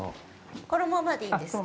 このままでいいんですか？